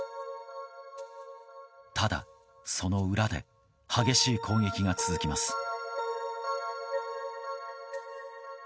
ただ、その裏で激しい攻撃が続きます。